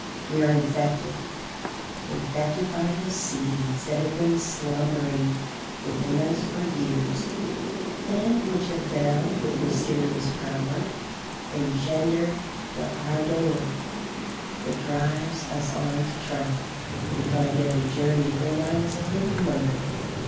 We are infected infected by the seeds that have been slumbering within us for years and which have now with mysterious power engendered the ardour that drives us on to travel. Behind every journey there lies a hidden motive.